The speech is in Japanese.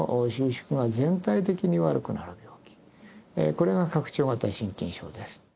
これが拡張型心筋症です